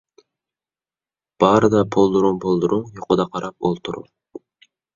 بارىدا پولدۇرۇڭ - پولدۇرۇڭ، يوقىدا قاراپ ئولتۇرۇڭ.